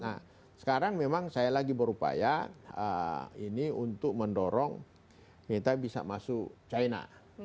nah sekarang memang saya lagi berupaya ini untuk mendorong kita bisa masuk china